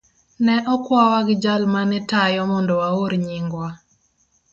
Ne okwawa gi jal ma ne tayo mondo waor nyingwa.